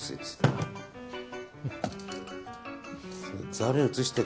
ざるに移して。